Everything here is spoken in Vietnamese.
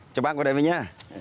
chào bác vào đây với nhé